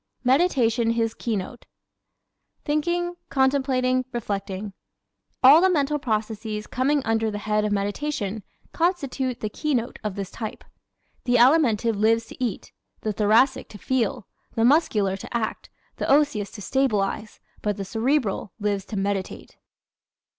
Meditation His Keynote ¶ Thinking, contemplating, reflecting all the mental processes coming under the head of "meditation" constitute the keynote of this type. The Alimentive lives to eat, the Thoracic to feel, the Muscular to act, the Osseous to stabilize, but the Cerebral lives to meditate.